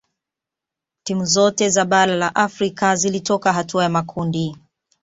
timu zote za bara la afrika zilitoka hatua ya makundi